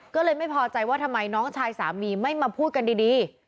ก็เลยไม่พอใจว่าทำไมน้องชายสามีไม่มาพูดกันดี